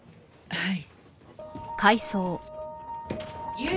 はい。